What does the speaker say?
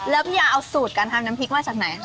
แล้วพี่ยาเอาสูตรการทำน้ำพริกมาจากไหน